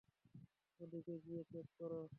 ওদিকে গিয়ে চেক করো।